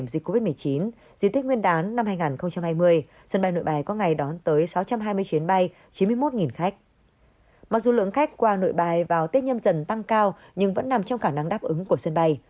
mặc dù lượng khách qua nội bài vào tết nhâm dần tăng cao nhưng vẫn nằm trong khả năng đáp ứng của sân bay